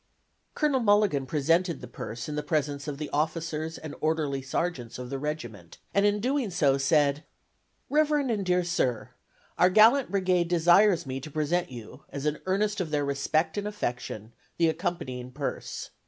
Colonel Mulligan presented the purse in the presence of the officers and orderly sergeants of the regiment and in doing so said: "Rev. and Dear Sir: Our gallant brigade desires me to present to you as an earnest of their respect and affection the accompanying purse.